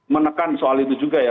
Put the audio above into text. menekan soal itu juga ya